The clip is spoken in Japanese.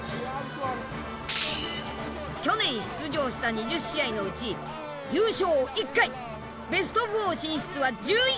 去年出場した２０試合のうち優勝１回ベスト４進出は１１回！